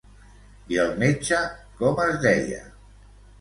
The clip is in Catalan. I el metge com es deia?